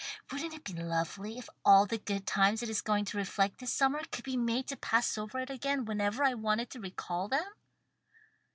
Wouldn't it be lovely if all the good times it is going to reflect this summer could be made to pass over it again whenever I wanted to recall them?"